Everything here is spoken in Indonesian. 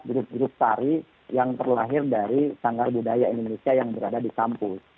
banyak juga berikut berikut tari yang terlahir dari tanggal budaya indonesia yang berada di kampus